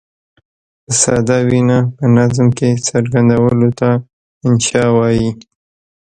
په ساده وینا په نظم کې څرګندولو ته انشأ وايي.